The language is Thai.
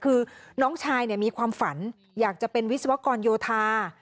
คือน้องชายมีความฝันอยากจะเป็นวิศวกรโยธา